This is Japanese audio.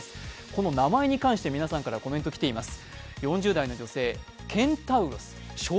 この名前に関して皆さんからコメントが来ています。